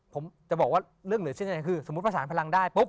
ผมจะบอกว่าเรื่องเหลือเชื่อยังไงคือสมมุติประสานพลังได้ปุ๊บ